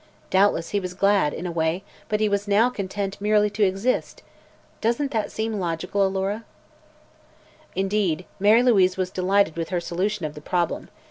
Doubtless he was glad, in a way, but he was now content merely to exist. Doesn't that seem logical, Alora?" Indeed, Mary Louise was delighted with her solution of the problem.